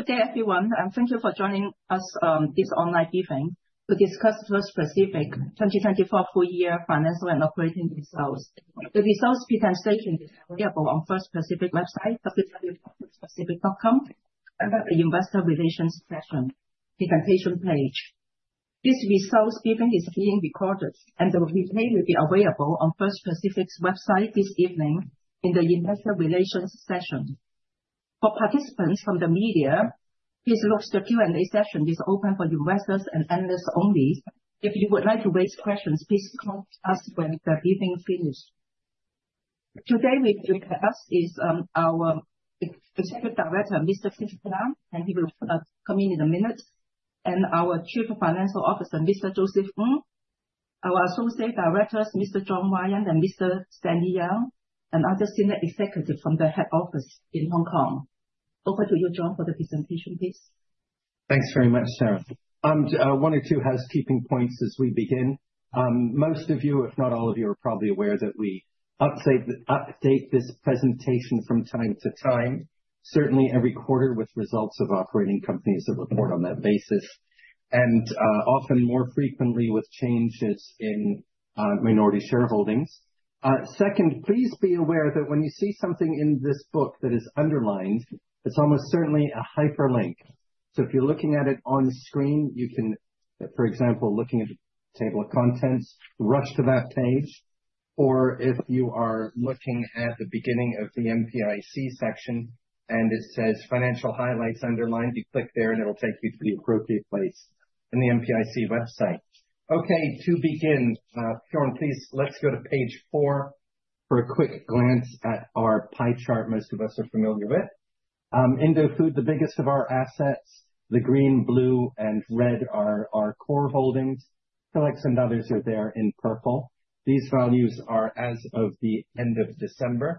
Good day, everyone. Thank you for joining us this online evening to discuss First Pacific 2024 full-year financial and operating results. The results presentation is available on First Pacific's website, www.firstpacific.com, and at the investor relations session presentation page. This results briefing is being recorded, and the replay will be available on First Pacific's website this evening in the investor relations session. For participants from the media, please note the Q&A session is open for investors and analysts only. If you would like to raise questions, please contact us when the briefing finishes. Today with us is our Executive Director, Mr. Christopher Young, and he will come in in a minute, and our Chief Financial Officer, Mr. Joseph Ng, our Associate Directors, Mr. John Ryan, and Mr. Stanley Yang, and other senior executives from the head office in Hong Kong. Over to you, John, for the presentation, please. Thanks very much, Sara. One or two housekeeping points as we begin. Most of you, if not all of you, are probably aware that we update this presentation from time to time, certainly every quarter with results of operating companies that report on that basis, and often more frequently with changes in minority shareholdings. Second, please be aware that when you see something in this book that is underlined, it's almost certainly a hyperlink. If you're looking at it on screen, you can, for example, looking at the table of contents, rush to that page. If you are looking at the beginning of the MPIC section and it says Financial Highlights underlined, you click there and it'll take you to the appropriate place in the MPIC website. Okay, to begin, John, please, let's go to page four for a quick glance at our pie chart most of us are familiar with. Indofood's the biggest of our assets, the green, blue, and red are our core holdings. Philex and others are there in purple. These values are as of the end of December.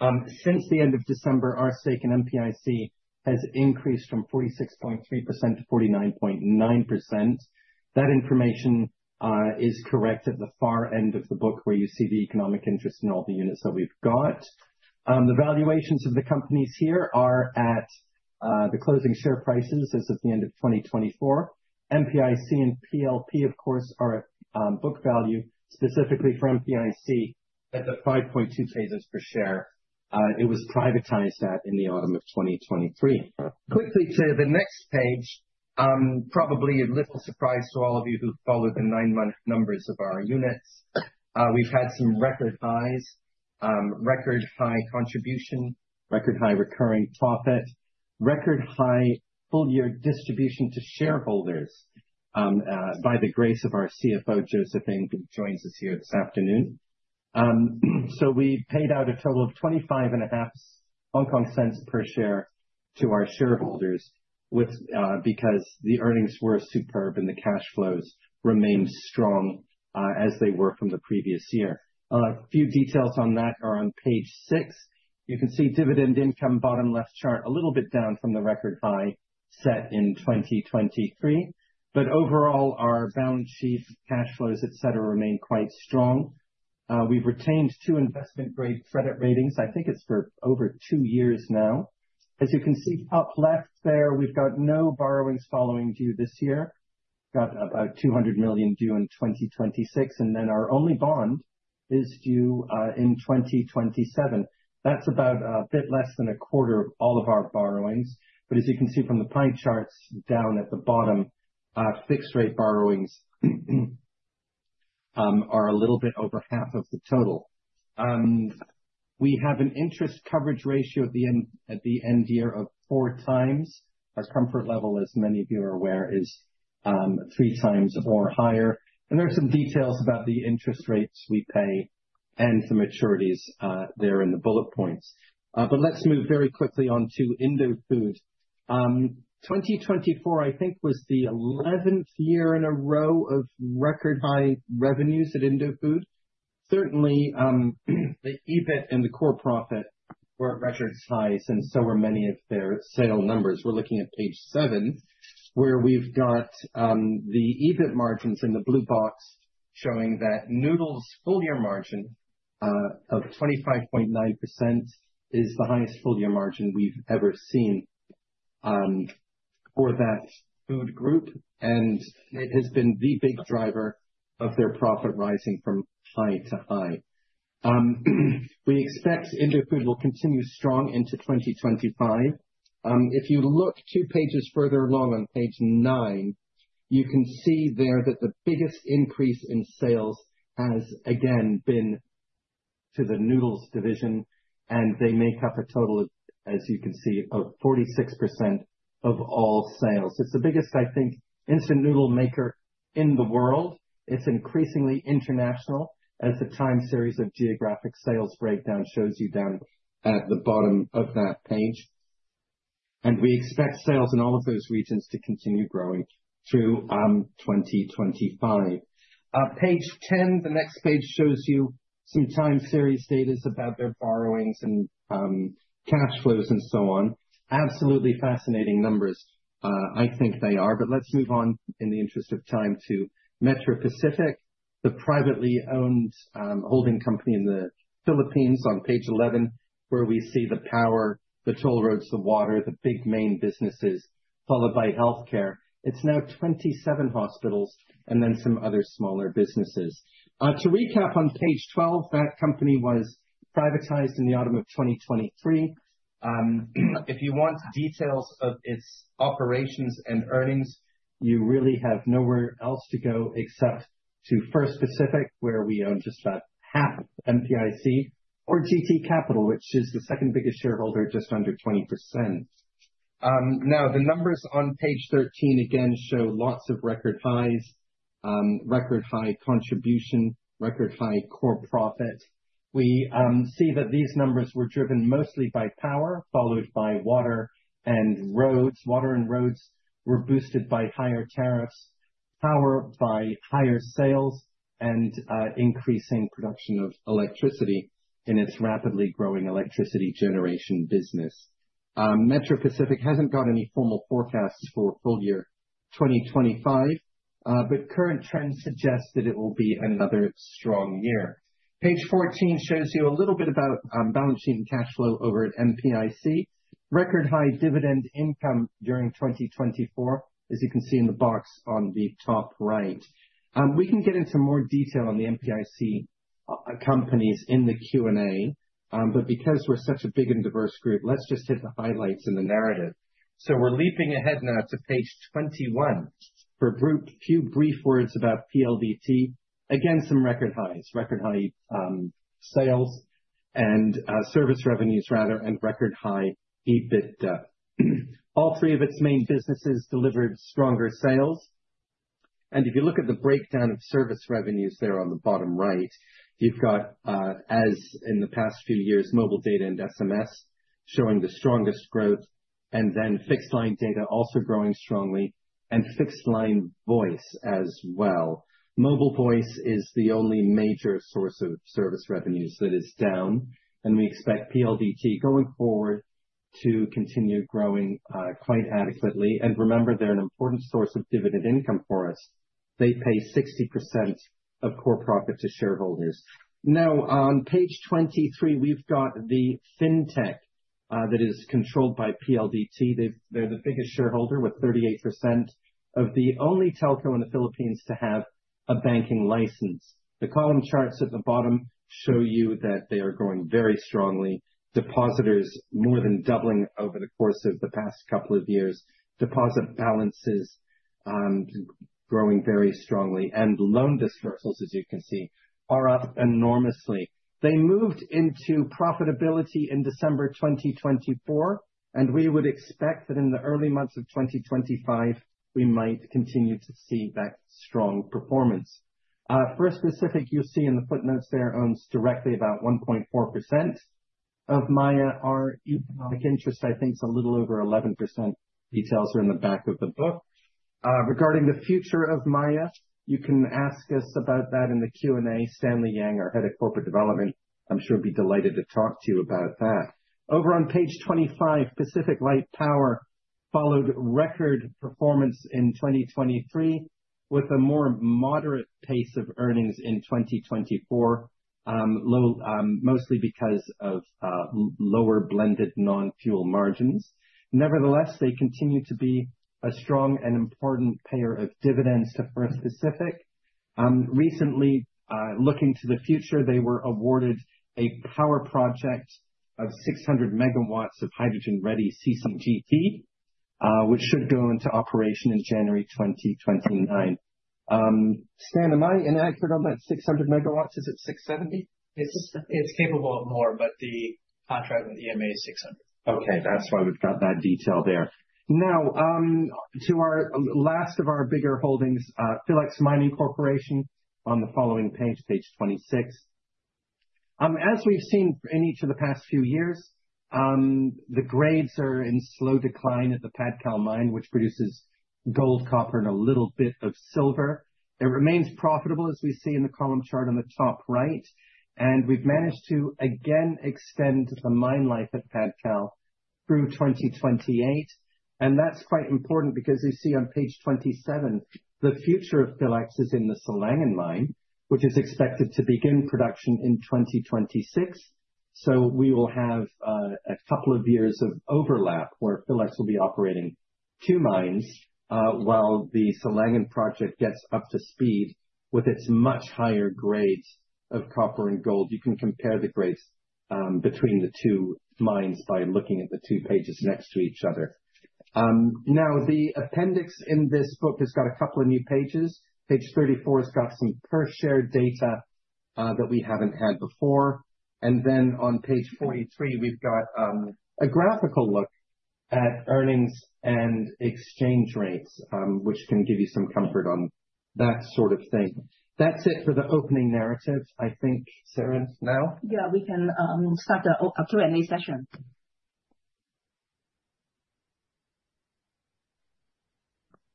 Since the end of December, our stake in MPIC has increased from 46.3%-49.9%. That information is correct at the far end of the book where you see the economic interest in all the units that we've got. The valuations of the companies here are at the closing share prices as of the end of 2024. MPIC and PLP, of course, are book value, specifically for MPIC at the 5.2 pesos per share it was privatized at in the autumn of 2023. Quickly to the next page, probably a little surprise to all of you who followed the nine-month numbers of our units. We've had some record highs, record high contribution, record high recurring profit, record high full-year distribution to shareholders by the grace of our CFO, Joseph Ng, who joins us here this afternoon. We paid out a total of 0.255 per share to our shareholders because the earnings were superb and the cash flows remained strong as they were from the previous year. A few details on that are on page six. You can see dividend income bottom left chart a little bit down from the record high set in 2023. Overall, our balance sheet, cash flows, et cetera, remain quite strong. We've retained two investment-grade credit ratings. I think it's for over two years now. As you can see up left there, we've got no borrowings following due this year. We've got about $200 million due in 2026, and then our only bond is due in 2027. That's about a bit less than a quarter of all of our borrowings. As you can see from the pie charts down at the bottom, fixed-rate borrowings are a little bit over half of the total. We have an interest coverage ratio at the end year of 4 times. Our comfort level, as many of you are aware, is 3 times or higher. There are some details about the interest rates we pay and the maturities there in the bullet points. Let's move very quickly on to Indofood. 2024, I think, was the 11th year in a row of record high revenues at Indofood. Certainly, the EBIT and the core profit were at record highs, and so were many of their sale numbers. We're looking at page seven, where we've got the EBIT margins in the blue box showing that Noodles full-year margin of 25.9% is the highest full-year margin we've ever seen for that food group, and it has been the big driver of their profit rising from high to high. We expect Indofood will continue strong into 2025. If you look two pages further along on page nine, you can see there that the biggest increase in sales has, again, been to the Noodles division, and they make up a total, as you can see, of 46% of all sales. It's the biggest, I think, instant noodle maker in the world. It's increasingly international, as the time series of geographic sales breakdown shows you down at the bottom of that page. We expect sales in all of those regions to continue growing through 2025. Page 10, the next page shows you some time series data about their borrowings and cash flows and so on. Absolutely fascinating numbers, I think they are. In the interest of time, let's move on to Metro Pacific, the privately owned holding company in the Philippines on page 11, where we see the power, the toll roads, the water, the big main businesses, followed by healthcare. It is now 27 hospitals and then some other smaller businesses. To recap on page 12, that company was privatized in the autumn of 2023. If you want details of its operations and earnings, you really have nowhere else to go except to First Pacific, where we own just about half of MPIC, or GT Capital, which is the second biggest shareholder, just under 20%. Now, the numbers on page 13 again show lots of record highs, record high contribution, record high core profit. We see that these numbers were driven mostly by power, followed by water and roads. Water and roads were boosted by higher tariffs, power by higher sales, and increasing production of electricity in its rapidly growing electricity generation business. Metro Pacific hasn't got any formal forecasts for full-year 2025, but current trends suggest that it will be another strong year. Page 14 shows you a little bit about balance sheet and cash flow over at MPIC. Record high dividend income during 2024, as you can see in the box on the top right. We can get into more detail on the MPIC companies in the Q&A, but because we're such a big and diverse group, let's just hit the highlights in the narrative. We're leaping ahead now to page 21 for a few brief words about PLDT. Again, some record highs, record high sales and service revenues, rather, and record high EBITDA. All three of its main businesses delivered stronger sales. If you look at the breakdown of service revenues there on the bottom right, you've got, as in the past few years, mobile data and SMS showing the strongest growth, and then fixed line data also growing strongly, and fixed line voice as well. Mobile voice is the only major source of service revenues that is down, and we expect PLDT going forward to continue growing quite adequately. Remember, they're an important source of dividend income for us. They pay 60% of core profit to shareholders. Now, on page 23, we've got the fintech that is controlled by PLDT. They're the biggest shareholder with 38%, the only telco in the Philippines to have a banking license. The column charts at the bottom show you that they are growing very strongly. Depositors more than doubling over the course of the past couple of years. Deposit balances growing very strongly. Loan disbursals, as you can see, are up enormously. They moved into profitability in December 2024, and we would expect that in the early months of 2025, we might continue to see that strong performance. First Pacific, you'll see in the footnotes there, owns directly about 1.4% of Maya. Our economic interest, I think, is a little over 11%. Details are in the back of the book. Regarding the future of Maya, you can ask us about that in the Q&A. Stanley Yang, our Head of Corporate Development, I'm sure would be delighted to talk to you about that. Over on page 25, PacificLight Power followed record performance in 2023 with a more moderate pace of earnings in 2024, mostly because of lower blended non-fuel margins. Nevertheless, they continue to be a strong and important payer of dividends to First Pacific. Recently, looking to the future, they were awarded a power project of 600 MW of hydrogen-ready CCGT, which should go into operation in January 2029. Stan, am I inaccurate on that 600 MW? Is it 670? It's capable of more, but the contract with EMA is 600. Okay, that's why we've got that detail there. Now, to our last of our bigger holdings, Philex Mining Corporation on the following page, page 26. As we've seen in each of the past few years, the grades are in slow decline at the Padcal mine, which produces gold, copper, and a little bit of silver. It remains profitable, as we see in the column chart on the top right. We have managed to again extend the mine life at Padcal through 2028. That is quite important because you see on page 27, the future of Philex is in the Silangan mine, which is expected to begin production in 2026. We will have a couple of years of overlap where Philex will be operating two mines while the Silangan project gets up to speed with its much higher grades of copper and gold. You can compare the grades between the two mines by looking at the two pages next to each other. Now, the appendix in this book has got a couple of new pages. Page 34 has got some per-share data that we haven't had before. On page 43, we've got a graphical look at earnings and exchange rates, which can give you some comfort on that sort of thing. That's it for the opening narrative. I think, Sara, now? Yeah, we can start the Q&A session.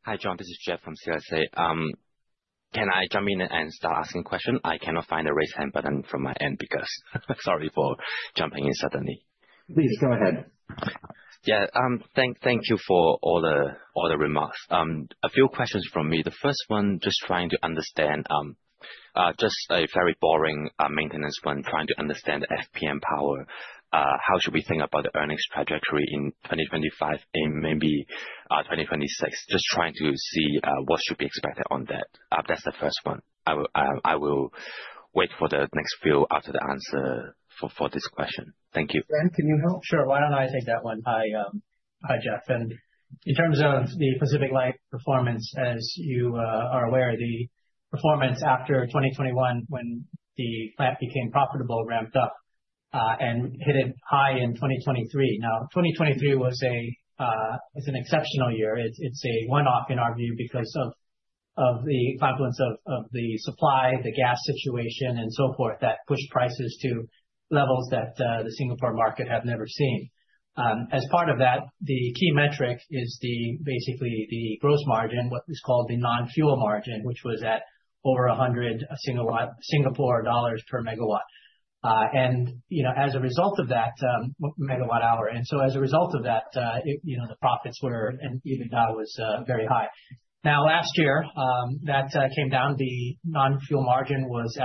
Hi, John, this is Jeff from CLSA. Can I jump in and start asking a question? I cannot find the raise hand button from my end because sorry for jumping in suddenly. Please go ahead. Yeah, thank you for all the remarks. A few questions from me. The first one, just trying to understand just a very boring maintenance when trying to understand the FPM Power. How should we think about the earnings trajectory in 2025 and maybe 2026? Just trying to see what should be expected on that. That's the first one. I will wait for the next few after the answer for this question. Thank you. Stan, can you help? Sure. Why don't I take that one? Hi, Jeff. In terms of the PacificLight performance, as you are aware, the performance after 2021, when the plant became profitable, ramped up and hit a high in 2023. Now, 2023 was an exceptional year. It's a one-off in our view because of the confluence of the supply, the gas situation, and so forth that pushed prices to levels that the Singapore market had never seen. As part of that, the key metric is basically the gross margin, what was called the non-fuel margin, which was at over 100 Singapore dollars per MWh. As a result of that, the profits were, and even now are, very high. Last year, that came down. The non-fuel margin was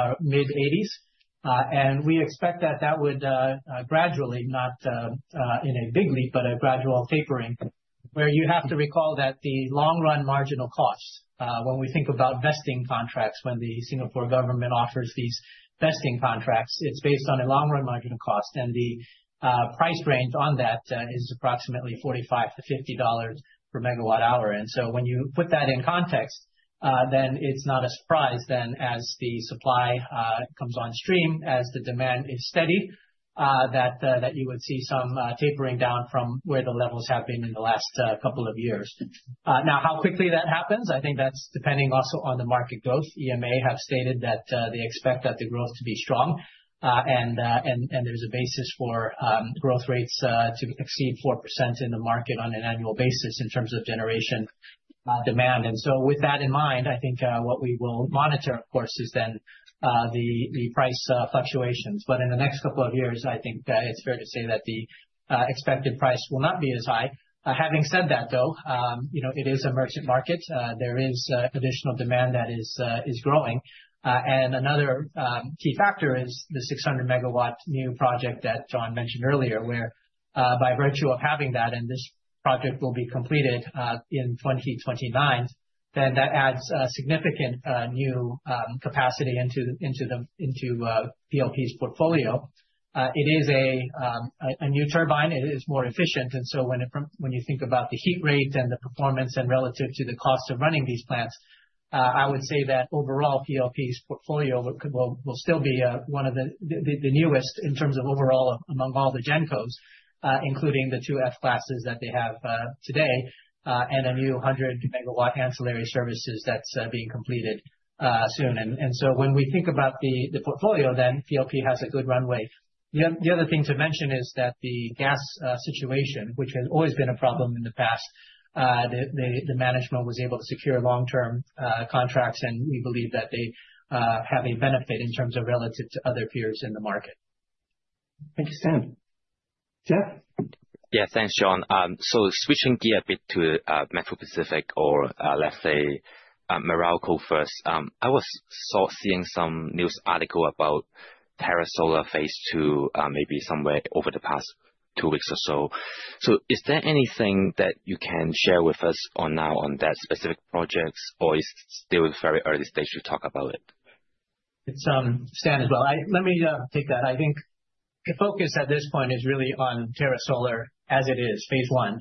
mid-80s. We expect that that would gradually, not in a big leap, but a gradual tapering, where you have to recall that the long-run marginal cost, when we think about vesting contracts, when the Singapore government offers these vesting contracts, it's based on a long-run marginal cost. The price range on that is approximately $45-$50 per MWh. When you put that in context, then it's not a surprise then as the supply comes on stream, as the demand is steady, that you would see some tapering down from where the levels have been in the last couple of years. How quickly that happens, I think that's depending also on the market growth. EMA have stated that they expect that the growth to be strong. There is a basis for growth rates to exceed 4% in the market on an annual basis in terms of generation demand. With that in mind, I think what we will monitor, of course, is the price fluctuations. In the next couple of years, I think it is fair to say that the expected price will not be as high. Having said that, though, it is a merchant market. There is additional demand that is growing. Another key factor is the 600 MW new project that John mentioned earlier, where by virtue of having that, and this project will be completed in 2029, that adds significant new capacity into PLP's portfolio. It is a new turbine. It is more efficient. When you think about the heat rate and the performance relative to the cost of running these plants, I would say that overall PLP's portfolio will still be one of the newest in terms of overall among all the Gencos, including the two F-classes that they have today and a new 100 MW ancillary services that's being completed soon. When we think about the portfolio, then PLP has a good runway. The other thing to mention is that the gas situation, which has always been a problem in the past, the management was able to secure long-term contracts, and we believe that they have a benefit in terms of relative to other peers in the market. Thank you, Stan. Jeff? Yeah, thanks, John. Switching gear a bit to Metro Pacific, or let's say Meralco first, I was seeing some news article about Terra Solar phase two maybe somewhere over the past two weeks or so. Is there anything that you can share with us now on that specific projects, or is it still very early stage to talk about it? It's Stan as well. Let me take that. I think the focus at this point is really on Terra Solar as it is, phase one,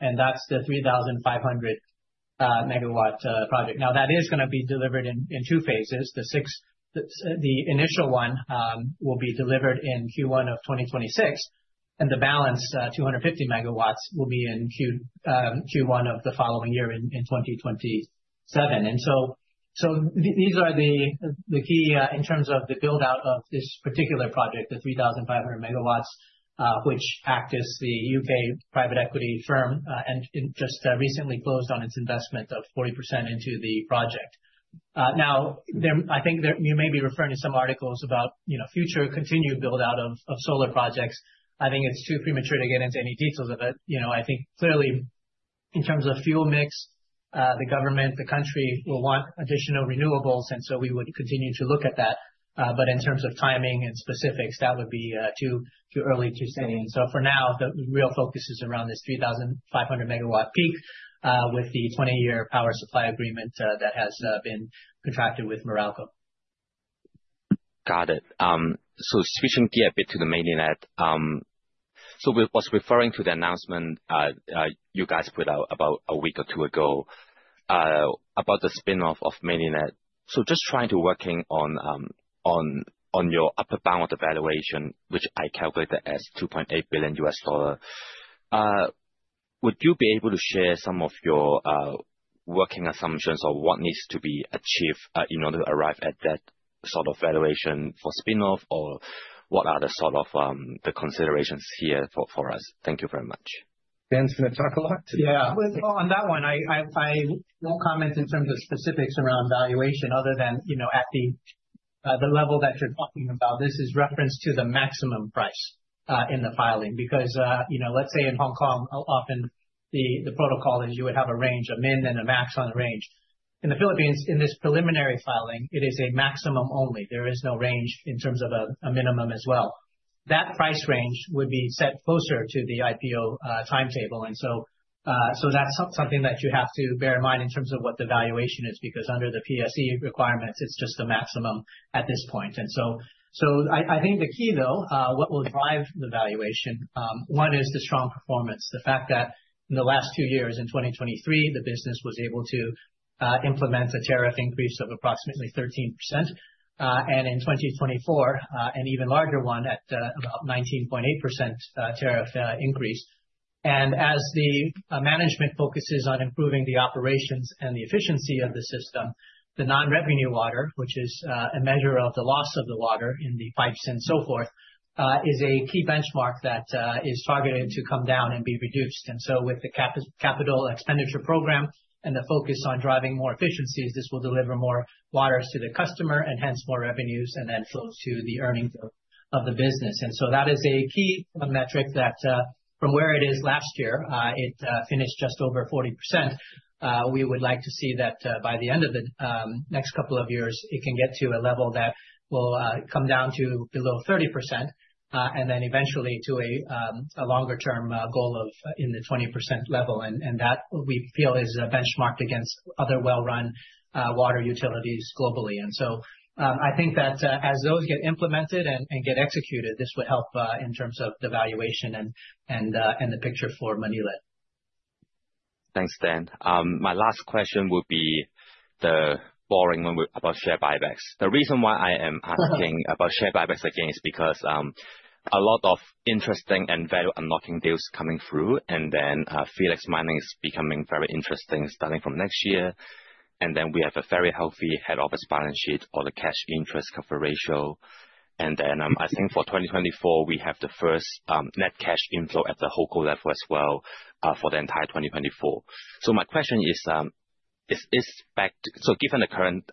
and that's the 3,500 MW project. That is going to be delivered in two phases. The initial one will be delivered in Q1 of 2026, and the balance, 250 MW, will be in Q1 of the following year in 2027. These are the key in terms of the buildout of this particular project, the 3,500 MW, which Actis, the U.K. private equity firm, just recently closed on its investment of 40% into the project. I think you may be referring to some articles about future continued buildout of solar projects. I think it's too premature to get into any details of it. I think clearly, in terms of fuel mix, the government, the country will want additional renewables, and we would continue to look at that. In terms of timing and specifics, that would be too early to say. For now, the real focus is around this 3,500 MW peak with the 20-year power supply agreement that has been contracted with Meralco. Got it. Switching gear a bit to the Maynilad. I was referring to the announcement you guys put out about a week or two ago about the spinoff of Maynilad. Just trying to work on your upper bound of evaluation, which I calculated as $2.8 billion U.S. dollar. Would you be able to share some of your working assumptions or what needs to be achieved in order to arrive at that sort of valuation for spinoff, or what are the sort of considerations here for us? Thank you very much. Stan's going to talk a lot. Yeah, on that one, I won't comment in terms of specifics around valuation other than at the level that you're talking about. This is reference to the maximum price in the filing because let's say in Hong Kong, often the protocol is you would have a range, a min and a max on the range. In the Philippines, in this preliminary filing, it is a maximum only. There is no range in terms of a minimum as well. That price range would be set closer to the IPO timetable. That is something that you have to bear in mind in terms of what the valuation is because under the PSE requirements, it's just the maximum at this point. I think the key, though, what will drive the valuation, one is the strong performance. The fact that in the last two years, in 2023, the business was able to implement a tariff increase of approximately 13%. In 2024, an even larger one at about 19.8% tariff increase. As the management focuses on improving the operations and the efficiency of the system, the non-revenue water, which is a measure of the loss of the water in the pipes and so forth, is a key benchmark that is targeted to come down and be reduced. With the capital expenditure program and the focus on driving more efficiencies, this will deliver more water to the customer and hence more revenues and then flows to the earnings of the business. That is a key metric that from where it is last year, it finished just over 40%. We would like to see that by the end of the next couple of years, it can get to a level that will come down to below 30% and then eventually to a longer-term goal of in the 20% level. That we feel is benchmarked against other well-run water utilities globally. I think that as those get implemented and get executed, this would help in terms of the valuation and the picture for Maynilad. Thanks, Stan. My last question would be the boring one about share buybacks. The reason why I am asking about share buybacks again is because a lot of interesting and value unlocking deals coming through. Philex Mining is becoming very interesting starting from next year. We have a very healthy head office balance sheet or the cash interest cover ratio. I think for 2024, we have the first net cash inflow at the HoldCo level as well for the entire 2024. My question is, given the current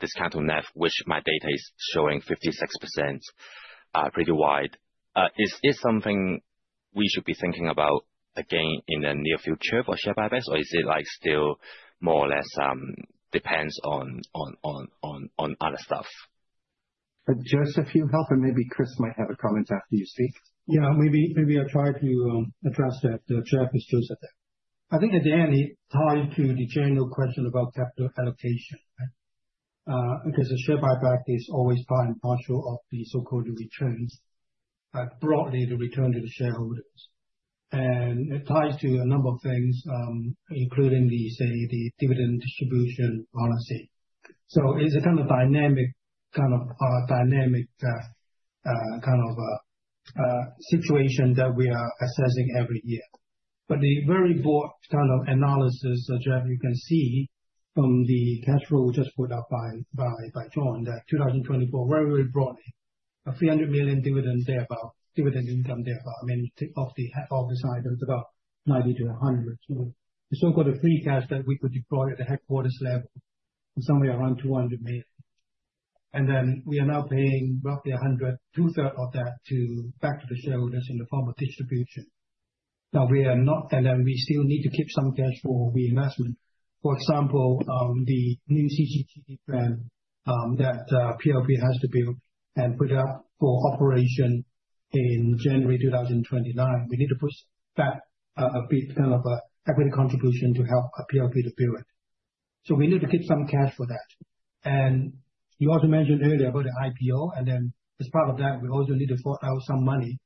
discount on NAV, which my data is showing 56% pretty wide, is it something we should be thinking about again in the near future for share buybacks, or is it still more or less depends on other stuff? Just a few help, and maybe Chris might have a comment after you speak. Yeah, maybe I'll try to address that. Jeff is just there. I think at the end, it ties to the general question about capital allocation because the share buyback is always part and parcel of the so-called returns, broadly the return to the shareholders. It ties to a number of things, including the dividend distribution policy. It's a kind of dynamic kind of situation that we are assessing every year. The very broad kind of analysis that you can see from the cash flow just put up by John, that 2024, very, very broadly, a $300 million dividend thereabout, dividend income thereabout, I mean, of the office items, about 90-100. The so-called free cash that we could deploy at the headquarters level, somewhere around $200 million. We are now paying roughly $100, two-thirds of that back to the shareholders in the form of distribution. We are not, and we still need to keep some cash for reinvestment. For example, the new CCGT plan that PLP has to build and put up for operation in January 2029, we need to push back a bit kind of an equity contribution to help PLP to build it. We need to keep some cash for that. You also mentioned earlier about the IPO, and as part of that, we also need to sort out some money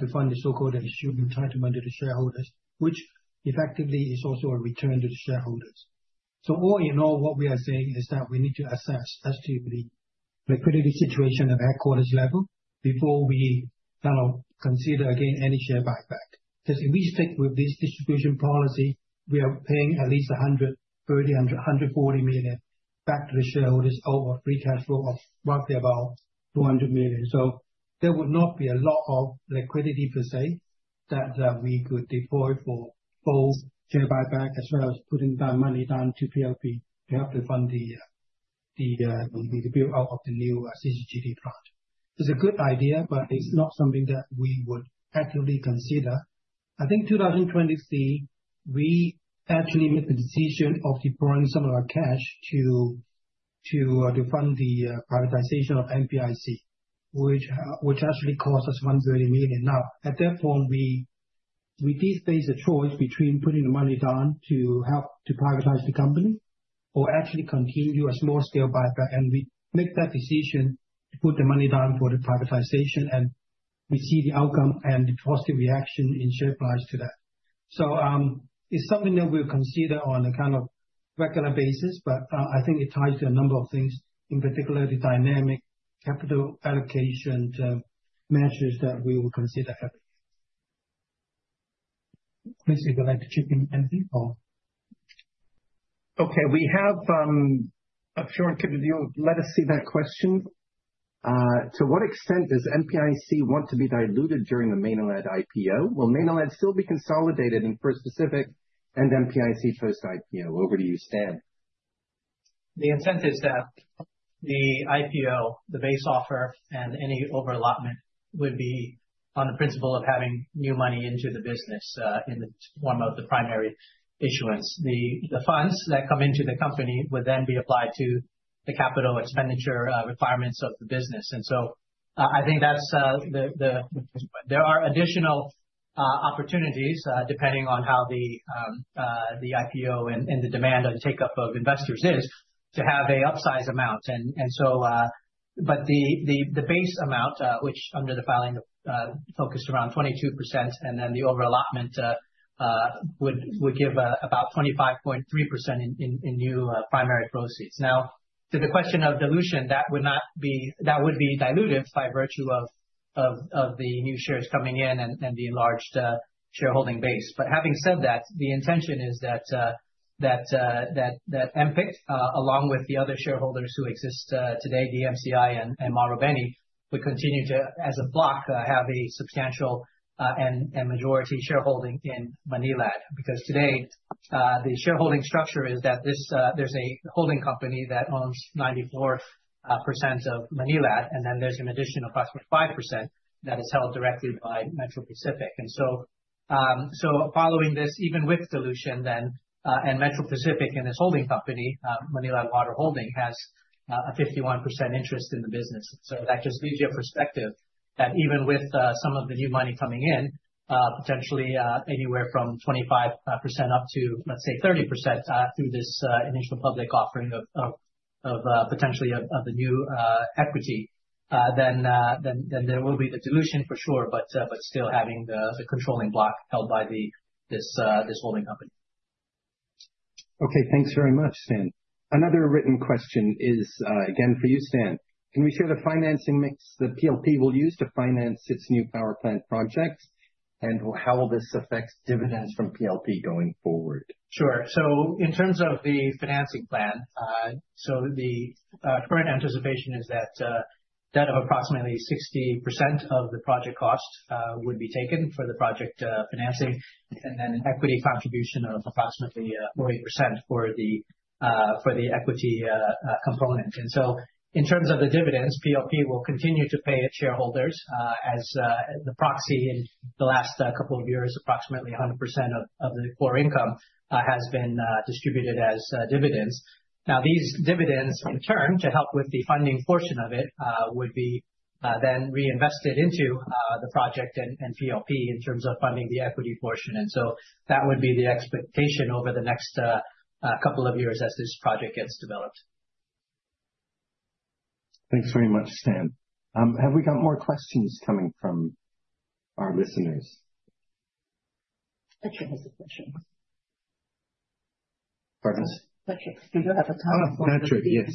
to fund the so-called distribution to the shareholders, which effectively is also a return to the shareholders. All in all, what we are saying is that we need to assess as to the liquidity situation at the headquarters level before we kind of consider again any share buyback. Because if we stick with this distribution policy, we are paying at least $130 million-$140 million back to the shareholders over a free cash flow of roughly about $200 million. There would not be a lot of liquidity per se that we could deploy for both share buyback as well as putting that money down to PLP to help to fund the buildout of the new CCGT plant. It's a good idea, but it's not something that we would actively consider. I think 2023, we actually made the decision of deploying some of our cash to fund the privatization of MPIC, which actually cost us $130 million. Now, at that point, we did face a choice between putting the money down to help to privatize the company or actually continue a small-scale buyback. We made that decision to put the money down for the privatization, and we see the outcome and the positive reaction in share price to that. It is something that we'll consider on a kind of regular basis, but I think it ties to a number of things, in particular, the dynamic capital allocation measures that we will consider every year. Please, if you'd like to chip in anything or. Okay, we have a short, let us see that question. To what extent does MPIC want to be diluted during the Maynilad IPO? Will Maynilad still be consolidated in First Pacific and MPIC first IPO? Over to you, Stan. The incentives that the IPO, the base offer, and any overallotment would be on the principle of having new money into the business in the form of the primary issuance. The funds that come into the company would then be applied to the capital expenditure requirements of the business. I think there are additional opportunities depending on how the IPO and the demand and take-up of investors is to have an upsize amount. The base amount, which under the filing focused around 22%, and then the overallotment would give about 25.3% in new primary proceeds. Now, to the question of dilution, that would be diluted by virtue of the new shares coming in and the enlarged shareholding base. Having said that, the intention is that MPIC, along with the other shareholders who exist today, DMCI and Marubeni, would continue to, as a block, have a substantial and majority shareholding in Maynilad. Because today, the shareholding structure is that there is a holding company that owns 94% of Maynilad, and then there is an additional approximately 5% that is held directly by Metro Pacific. Following this, even with dilution, Metro Pacific and its holding company, Maynilad Water Holding, has a 51% interest in the business. That just gives you a perspective that even with some of the new money coming in, potentially anywhere from 25% up to, let's say, 30% through this initial public offering of potentially the new equity, there will be the dilution for sure, but still having the controlling block held by this holding company. Okay, thanks very much, Stan. Another written question is again for you, Stan. Can we share the financing mix the PLP will use to finance its new power plant projects? How will this affect dividends from PLP going forward? Sure. In terms of the financing plan, the current anticipation is that approximately 60% of the project cost would be taken for the project financing, and then an equity contribution of approximately 40% for the equity component. In terms of the dividends, PLP will continue to pay its shareholders as the proxy in the last couple of years, approximately 100% of the core income has been distributed as dividends. These dividends, in turn, to help with the funding portion of it, would be then reinvested into the project and PLP in terms of funding the equity portion. That would be the expectation over the next couple of years as this project gets developed. Thanks very much, Stan. Have we got more questions coming from our listeners? Petra has a question. Pardon us? Petra, do you have a time? Petra, yes.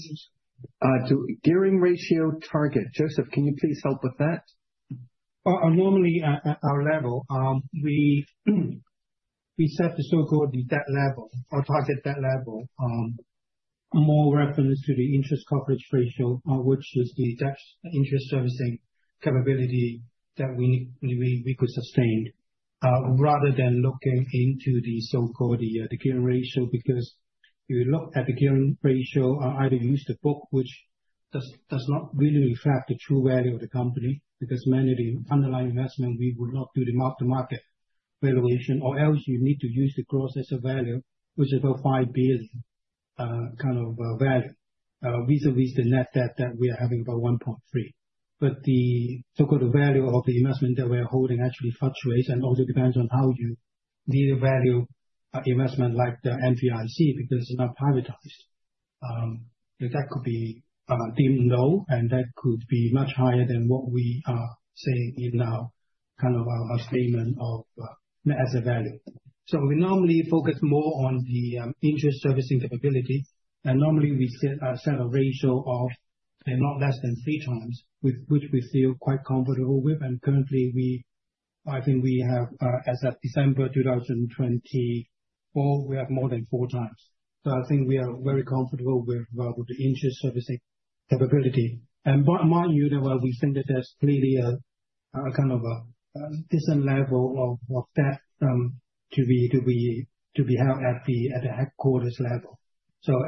To gearing ratio target, Joseph, can you please help with that? Normally, at our level, we set the so-called debt level or target debt level more reference to the interest coverage ratio, which is the debt interest servicing capability that we could sustain rather than looking into the so-called gearing ratio. If you look at the gearing ratio, either use the book, which does not really reflect the true value of the company, because many of the underlying investment, we will not do the mark-to-market valuation, or else you need to use the gross asset value, which is about $5 billion kind of value vis-à-vis the net debt that we are having about 1.3. The so-called value of the investment that we are holding actually fluctuates and also depends on how you deal value investment like the MPIC because it's not privatized. That could be deemed low, and that could be much higher than what we are saying in our kind of our statement of net asset value. We normally focus more on the interest servicing capability. We normally set a ratio of not less than three times, which we feel quite comfortable with. Currently, I think we have as of December 2024, we have more than four times. I think we are very comfortable with the interest servicing capability. Mind you, while we think that there is clearly a kind of a decent level of debt to be held at the headquarters level.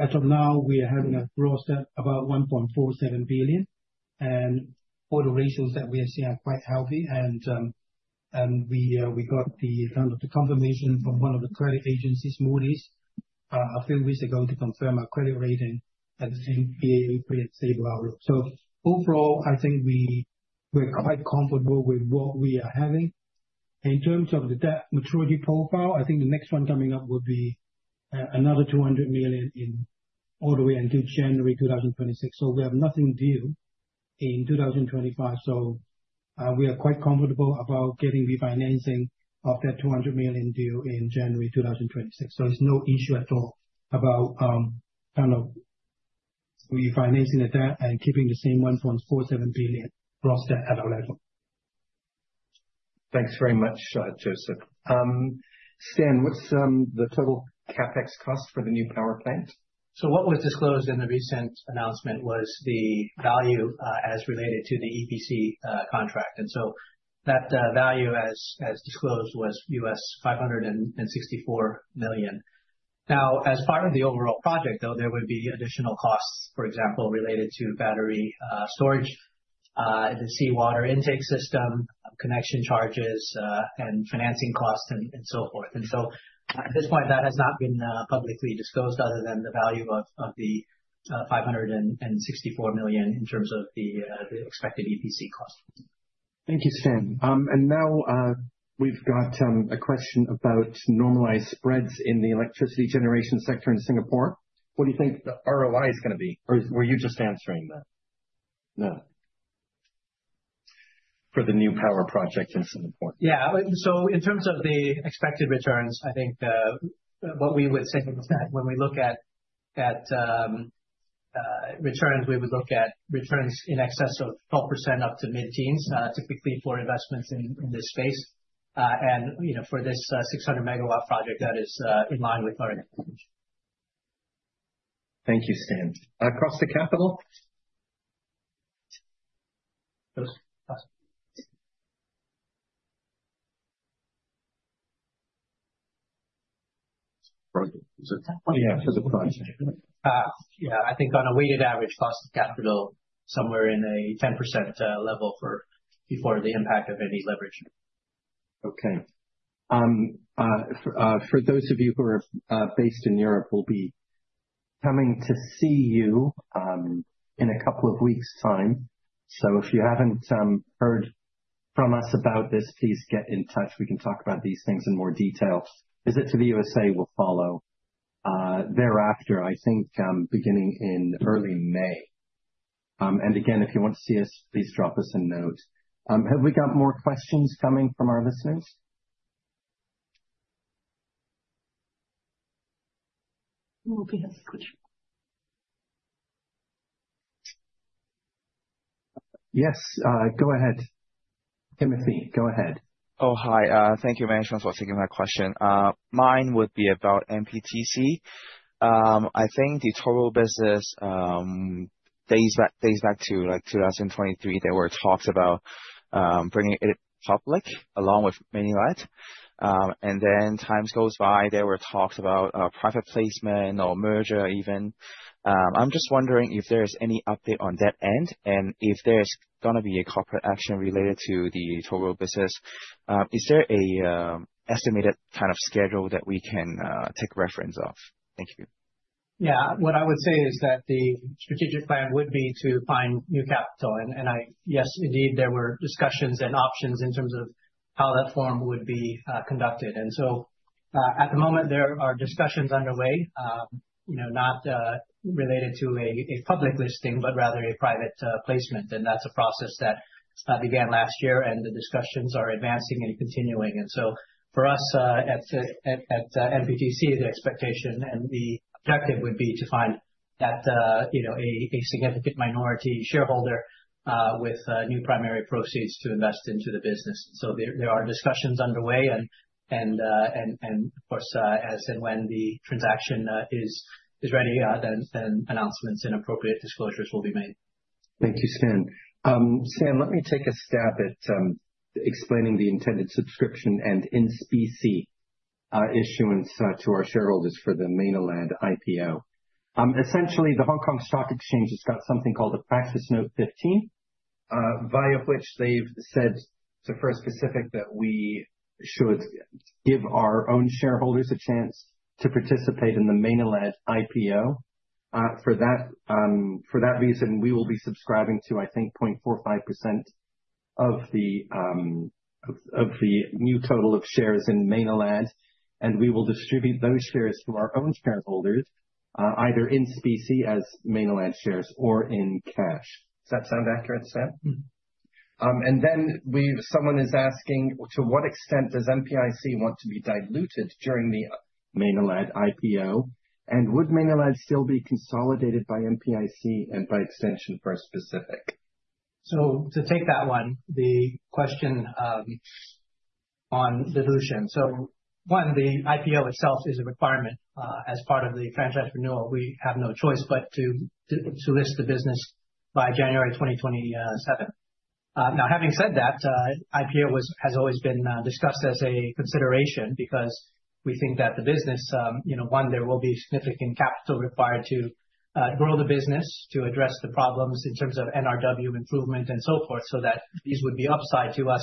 As of now, we are having a gross debt about $1.47 billion. All the ratios that we are seeing are quite healthy. We got the kind of the confirmation from one of the credit agencies, Moody's, a few weeks ago to confirm our credit rating at the same Baa3 and stable outlook. Overall, I think we're quite comfortable with what we are having. In terms of the debt maturity profile, I think the next one coming up would be another $200 million all the way until January 2026. We have nothing due in 2025. We are quite comfortable about getting refinancing of that $200 million due in January 2026. It is no issue at all about kind of refinancing the debt and keeping the same $1.47 billion gross debt at our level. Thanks very much, Joseph. Stan, what's the total CapEx cost for the new power plant? What was disclosed in the recent announcement was the value as related to the EPC contract. That value as disclosed was $564 million. As part of the overall project, though, there would be additional costs, for example, related to battery storage, the seawater intake system, connection charges, and financing costs, and so forth. At this point, that has not been publicly disclosed other than the value of the $564 million in terms of the expected EPC cost. Thank you, Stan. Now we have a question about normalized spreads in the electricity generation sector in Singapore. What do you think the ROI is going to be? Or were you just answering that? No. For the new power project in Singapore. Yeah. In terms of the expected returns, I think what we would say is that when we look at returns, we would look at returns in excess of 12% up to mid-teens, typically for investments in this space. For this 600 MW project, that is in line with our expectation. Thank you, Stan. Across the capital? Yeah, for the project. Yeah, I think on a weighted average cost of capital, somewhere in a 10% level for before the impact of any leverage. Okay. For those of you who are based in Europe, we'll be coming to see you in a couple of weeks' time. If you haven't heard from us about this, please get in touch. We can talk about these things in more detail. A visit to the U.S.A. will follow thereafter, I think beginning in early May. Again, if you want to see us, please drop us a note. Have we got more questions coming from our listeners? Yes, go ahead. Timothy, go ahead. Oh, hi. Thank you, Management, for taking my question. Mine would be about MPTC. I think the toll business dates back to 2023. There were talks about bringing it public along with Maynilad. Then time goes by, there were talks about private placement or merger even. I'm just wondering if there's any update on that end and if there's going to be a corporate action related to the toll business. Is there an estimated kind of schedule that we can take reference of? Thank you. Yeah, what I would say is that the strategic plan would be to find new capital. Yes, indeed, there were discussions and options in terms of how that form would be conducted. At the moment, there are discussions underway, not related to a public listing, but rather a private placement. That is a process that began last year, and the discussions are advancing and continuing. For us at MPTC, the expectation and the objective would be to find a significant minority shareholder with new primary proceeds to invest into the business. There are discussions underway. Of course, as and when the transaction is ready, then announcements and appropriate disclosures will be made. Thank you, Stan. Stan, let me take a stab at explaining the intended subscription and in-specie issuance to our shareholders for the Maynilad IPO. Essentially, the Hong Kong Stock Exchange has got something called a Practice Note 15, via which they've said to First Pacific that we should give our own shareholders a chance to participate in the Maynilad IPO. For that reason, we will be subscribing to, I think, 0.45% of the new total of shares in Maynilad. We will distribute those shares to our own shareholders, either in-specie as Maynilad shares or in cash. Does that sound accurate, Stan? Someone is asking, to what extent does MPIC want to be diluted during the Maynilad IPO? Would Maynilad still be consolidated by MPIC and by extension First Pacific? To take that one, the question on dilution. One, the IPO itself is a requirement as part of the franchise renewal. We have no choice but to list the business by January 2027. Having said that, IPO has always been discussed as a consideration because we think that the business, one, there will be significant capital required to grow the business, to address the problems in terms of NRW improvement and so forth, so that these would be upside to us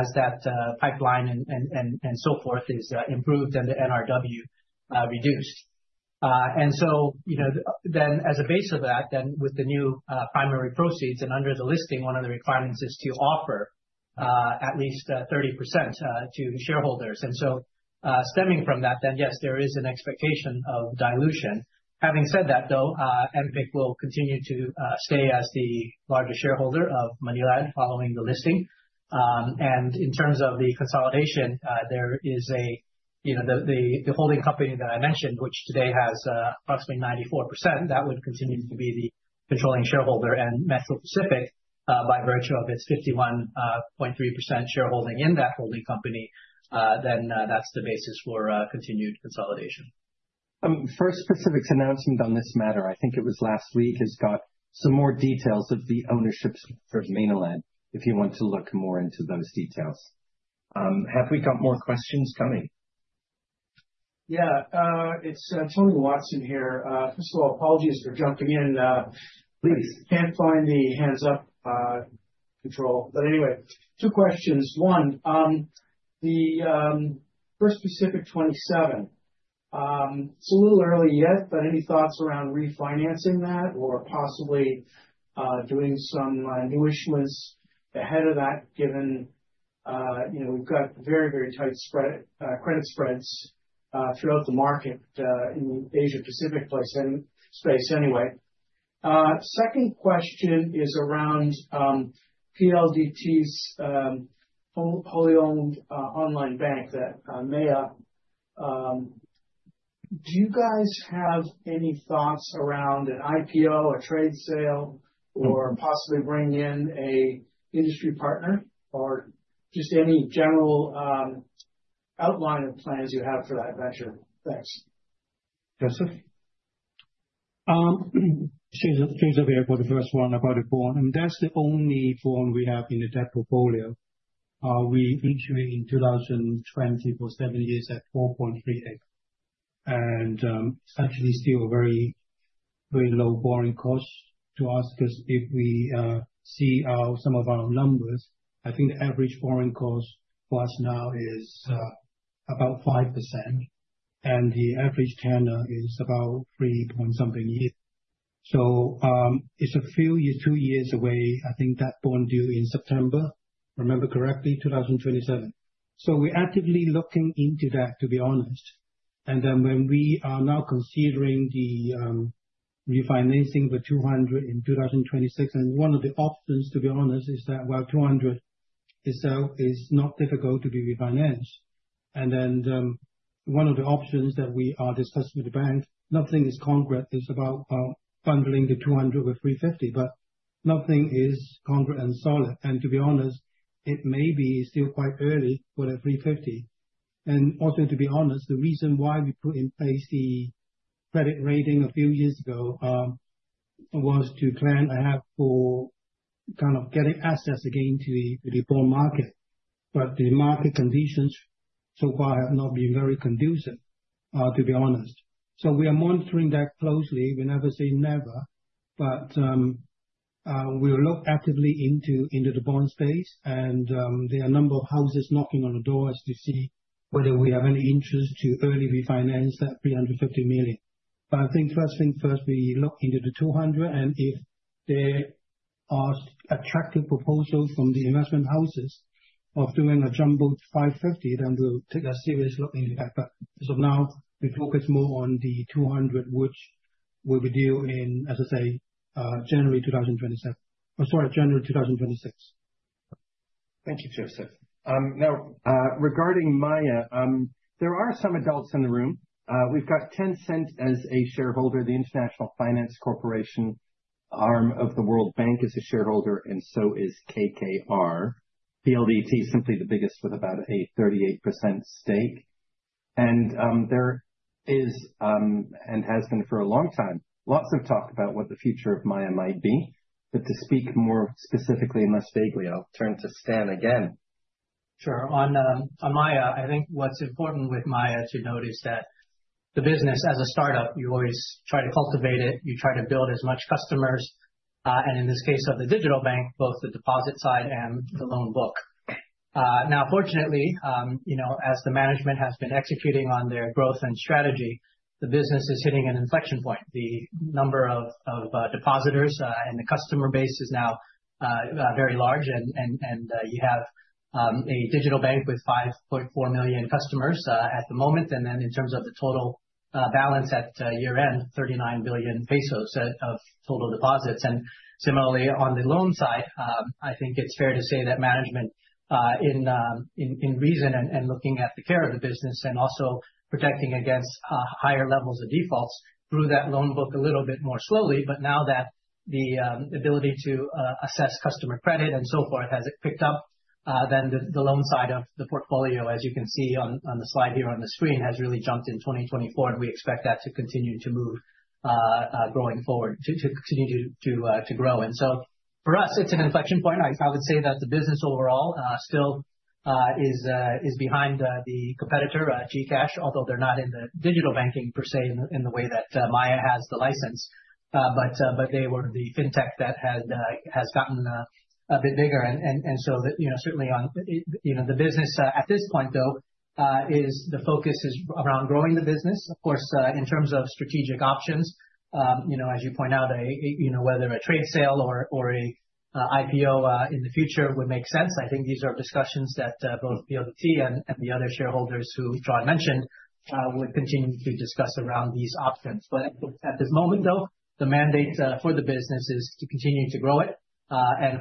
as that pipeline and so forth is improved and the NRW reduced. As a base of that, then with the new primary proceeds and under the listing, one of the requirements is to offer at least 30% to shareholders. Stemming from that, yes, there is an expectation of dilution. Having said that, though, MPIC will continue to stay as the largest shareholder of Maynilad following the listing. In terms of the consolidation, there is the holding company that I mentioned, which today has approximately 94%, that would continue to be the controlling shareholder. Metro Pacific, by virtue of its 51.3% shareholding in that holding company, then that's the basis for continued consolidation. First Pacific's announcement on this matter, I think it was last week, has got some more details of the ownership. For Maynilad, if you want to look more into those details. Have we got more questions coming? Yeah, it's Tony Watson here. First of all, apologies for jumping in. Please can't find the hands-up control. Anyway, two questions. One, the First Pacific 2027, it's a little early yet, but any thoughts around refinancing that or possibly doing some new issuance ahead of that, given we've got very, very tight credit spreads throughout the market in the Asia-Pacific space anyway. Second question is around PLDT's wholly owned online bank, that Maya. Do you guys have any thoughts around an IPO, a trade sale, or possibly bringing in an industry partner, or just any general outline of plans you have for that venture? Thanks. Joseph? Joseph here for the first one about a bond. And that's the only bond we have in the debt portfolio. We issued in 2020 for seven years at 4.38%. And it's actually still a very, very low borrowing cost. To ask us if we see some of our numbers, I think the average borrowing cost for us now is about 5%. And the average tenor is about three point something years. So it's a few years, two years away. I think that bond due in September, remember correctly, 2027. We're actively looking into that, to be honest. When we are now considering the refinancing for 200 in 2026, and one of the options, to be honest, is that, well, 200 is not difficult to be refinanced. One of the options that we are discussing with the bank, nothing is concrete. It's about bundling the 200 with 350, but nothing is concrete and solid. To be honest, it may be still quite early for the 350. To be honest, the reason why we put in place the credit rating a few years ago was to plan ahead for kind of getting access again to the bond market. The market conditions so far have not been very conducive, to be honest. We are monitoring that closely. We never say never, but we will look actively into the bond space. There are a number of houses knocking on the door to see whether we have any interest to early refinance that 350 million. I think first thing first, we look into the 200. If there are attractive proposals from the investment houses of doing a jumbo 550, then we'll take a serious look into that. As of now, we focus more on the 200, which will be due in, as I say, January 2027. Sorry, January 2026. Thank you, Joseph. Now, regarding Maya, there are some adults in the room. We've got Tencent as a shareholder, the International Finance Corporation arm of the World Bank is a shareholder, and so is KKR. PLDT is simply the biggest with about a 38% stake. There is and has been for a long time, lots of talk about what the future of Maya might be. To speak more specifically and less vaguely, I'll turn to Stan again. Sure. On Maya, I think what's important with Maya to note is that the business, as a startup, you always try to cultivate it. You try to build as much customers. In this case of the digital bank, both the deposit side and the loan book. Now, fortunately, as the management has been executing on their growth and strategy, the business is hitting an inflection point. The number of depositors and the customer base is now very large. You have a digital bank with 5.4 million customers at the moment. In terms of the total balance at year-end, 39 billion pesos of total deposits. Similarly, on the loan side, I think it's fair to say that management in reason and looking at the care of the business and also protecting against higher levels of defaults through that loan book a little bit more slowly. Now that the ability to assess customer credit and so forth has picked up, the loan side of the portfolio, as you can see on the slide here on the screen, has really jumped in 2024. We expect that to continue to move going forward, to continue to grow. For us, it is an inflection point. I would say that the business overall still is behind the competitor, GCash, although they are not in the digital banking per se in the way that Maya has the license. They were the fintech that has gotten a bit bigger. Certainly on the business at this point, the focus is around growing the business. Of course, in terms of strategic options, as you point out, whether a trade sale or an IPO in the future would make sense. I think these are discussions that both PLDT and the other shareholders who John mentioned would continue to discuss around these options. At this moment, though, the mandate for the business is to continue to grow it.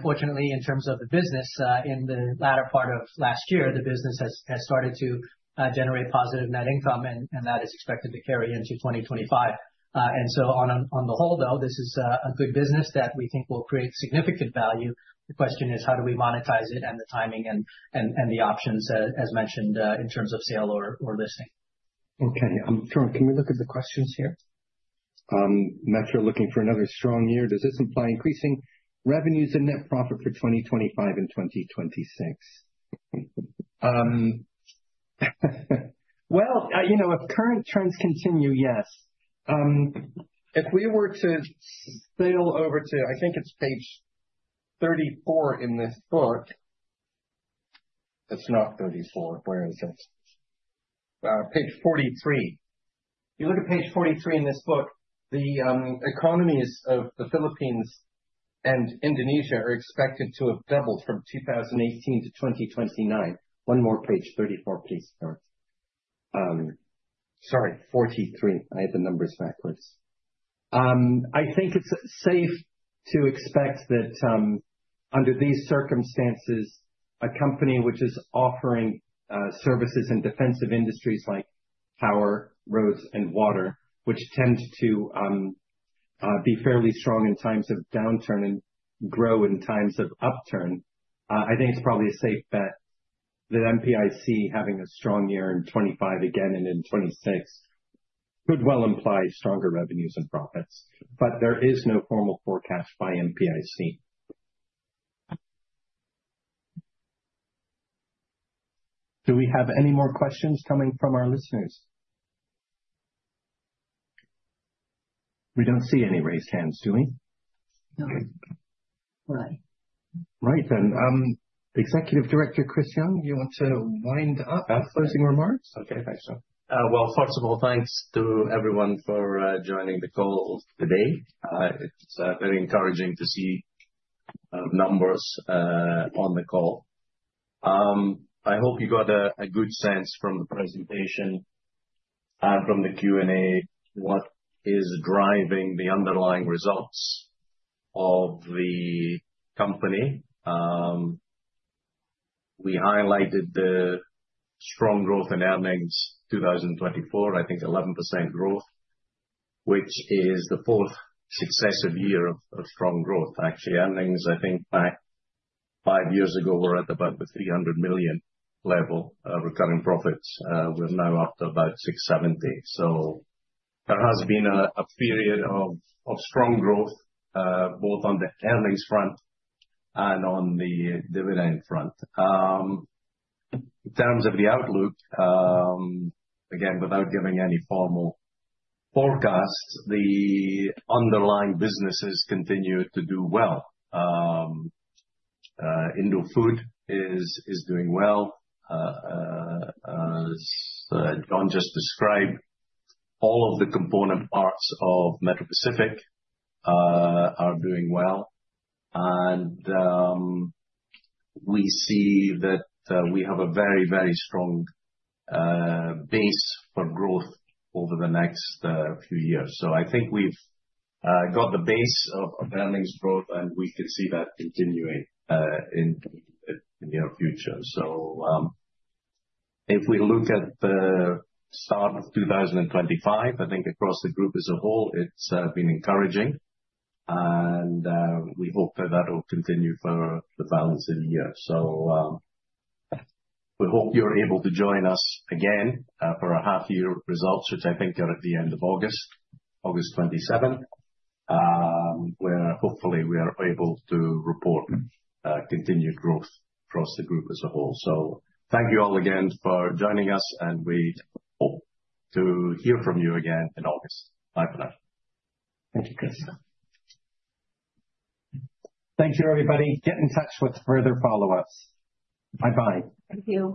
Fortunately, in terms of the business, in the latter part of last year, the business has started to generate positive net income, and that is expected to carry into 2025. On the whole, though, this is a good business that we think will create significant value. The question is, how do we monetize it and the timing and the options, as mentioned, in terms of sale or listing? Okay. John, can we look at the questions here? Metro looking for another strong year. Does this imply increasing revenues and net profit for 2025 and 2026? You know if current trends continue, yes. If we were to sail over to, I think it's page 34 in this book. It's not 34. Where is it? Page 43. If you look at page 43 in this book, the economies of the Philippines and Indonesia are expected to have doubled from 2018 to 2029. One more page, 34, please. Sorry, 43. I had the numbers backwards. I think it's safe to expect that under these circumstances, a company which is offering services in defensive industries like power, roads, and water, which tend to be fairly strong in times of downturn and grow in times of upturn, I think it's probably a safe bet that MPIC having a strong year in 2025 again and in 2026 could well imply stronger revenues and profits. There is no formal forecast by MPIC. Do we have any more questions coming from our listeners? We don't see any raised hands, do we? No. Right. Executive Director Christopher Young, you want to wind up closing remarks? Okay. Thanks, John. First of all, thanks to everyone for joining the call today. It's very encouraging to see numbers on the call. I hope you got a good sense from the presentation and from the Q&A what is driving the underlying results of the company. We highlighted the strong growth in earnings 2024, I think 11% growth, which is the fourth successive year of strong growth. Actually, earnings, I think five years ago, were at about the $300 million level recurring profits. We're now up to about $670 million. There has been a period of strong growth both on the earnings front and on the dividend front. In terms of the outlook, again, without giving any formal forecasts, the underlying businesses continue to do well. Indofood is doing well. As John just described, all of the component parts of Metro Pacific are doing well. We see that we have a very, very strong base for growth over the next few years. I think we've got the base of earnings growth, and we can see that continuing in the near future. If we look at the start of 2025, I think across the group as a whole, it's been encouraging. We hope that that will continue for the balance of the year. We hope you're able to join us again for a half-year results, which I think are at the end of August, August 27, where hopefully we are able to report continued growth across the group as a whole. Thank you all again for joining us, and we hope to hear from you again in August. Bye for now. Thank you, Chris. Thank you, everybody. Get in touch with further follow-ups. Bye-bye. Thank you.